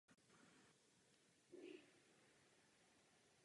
Jmění cizí, krásné umění, mrav a zvyk, autorita a úcta jsou mu neznámé.